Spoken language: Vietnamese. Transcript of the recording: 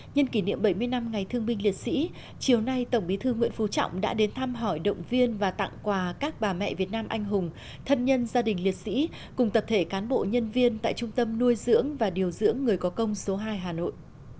nhân kỷ niệm bảy mươi năm ngày thương binh liệt sĩ chiều nay tổng bí thư nguyễn phú trọng đã đến thăm hỏi động viên và tặng quà các bà mẹ việt nam anh hùng thân nhân gia đình liệt sĩ cùng tập thể cán bộ nhân viên tại trung tâm nuôi dưỡng và điều dưỡng người có công số hai hà nội